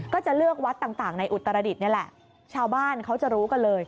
ก็จะเลือกวัดต่างในอุตรดิษฐ์นี่แหละชาวบ้านเขาจะรู้กันเลย